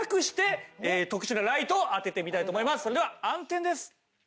一度それでは暗転です。